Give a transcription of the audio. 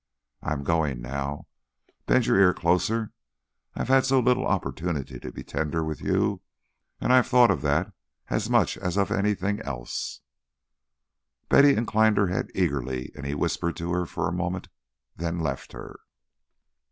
I am going now. Bend your ear closer. I have had so little opportunity to be tender with you, and I have thought of that as much as of anything else." Betty inclined her head eagerly, and he whispered to her for a moment, then left her.